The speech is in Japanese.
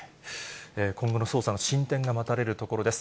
今後の捜査の進展が待たれるところです。